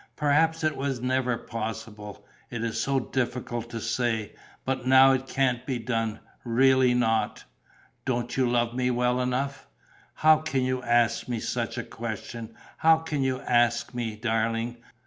Perhaps it was never possible. It is so difficult to say. But now it can't be done, really not...." "Don't you love me well enough?" "How can you ask me such a question? How can you ask me, darling?